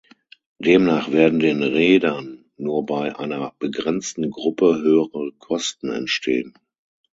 Demnach werden den Reedern nur bei einer begrenzten Gruppe höhere Kosten entstehen.